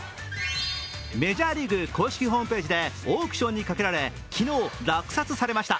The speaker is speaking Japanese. メジャーリーグ公式ホームページでオークションにかけられ昨日落札されました。